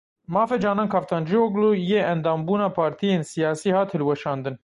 Mafê Canan Kaftancioglu yê endambûna partiyên siyasî hat hilweşandin.